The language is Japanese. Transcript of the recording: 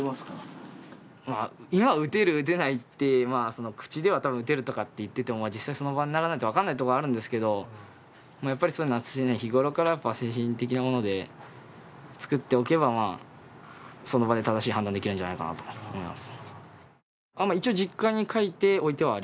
撃てる、撃てないと口では言っていても実際、その場にならないと分からないところもあるんですけど日頃から精神的なもので作っておけば、その場で正しい判断ができるんじゃないかと思います。